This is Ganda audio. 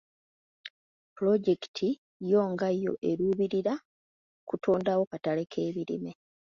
Pulojekiti yo nga yo eruubirira kutondawo katale k'ebirime.